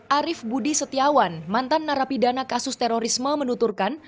arief budi setiawan mantan narapidana kasus terorisme menuturkan